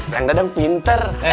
kang dadang pinter